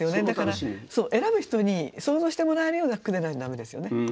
だから選ぶ人に想像してもらえるような句でないと駄目ですよね。